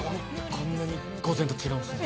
こんなに午前と違うんですね。